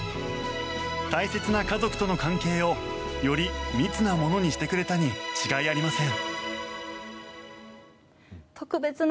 大切な家族との関係をより密なものにしてくれたに違いありません。